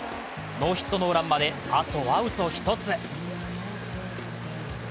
ノーヒットノーランまで、あとアウト１つ。